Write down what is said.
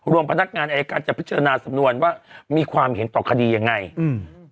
พนักงานอายการจะพิจารณาสำนวนว่ามีความเห็นต่อคดียังไงอืม